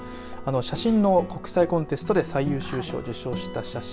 写真の国際コンテストで最優秀賞を受賞した作品。